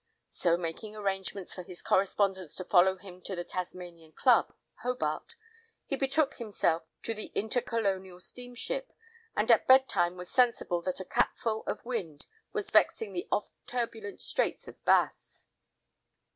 So making arrangements for his correspondence to follow him to the Tasmanian Club, Hobart, he betook himself to the inter colonial steamship, and at bed time was sensible that a "capful" of wind was vexing the oft turbulent Straits of Bass.